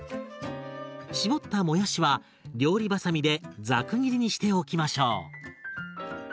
絞ったもやしは料理ばさみでザク切りにしておきましょう。